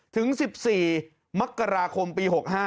ถึง๑๔มกราคมปี๖๕